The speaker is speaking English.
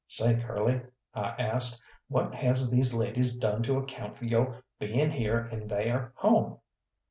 "Say, Curly," I asked, "what has these ladies done to account for yo' being here in theyr home?"